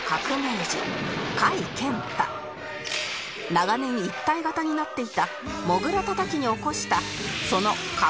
長年一体型になっていたモグラたたきに起こした